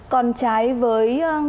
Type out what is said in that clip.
còn trái với